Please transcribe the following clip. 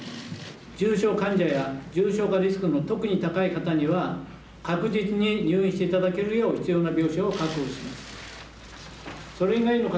重症患者や重症化リスクの特に高い方には確実に入院して頂けるよう必要な病床を確保します。